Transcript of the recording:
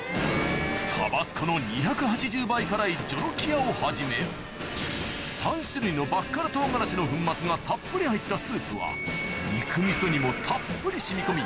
タバスコの２８０倍辛いジョロキアをはじめの粉末がたっぷり入ったスープは肉味噌にもたっぷり染み込み